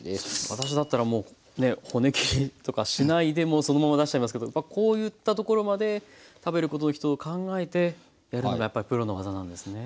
私だったらもう骨切りとかしないでもうそのまま出しちゃいますけどやっぱこういったところまで食べる人のこと考えてやるのがやっぱりプロの技なんですね。